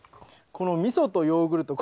このみそとヨーグルト